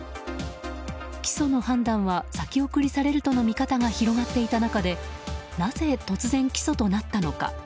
起訴の判断は先送りされるとの見方が広がっていた中でなぜ突然、起訴となったのか。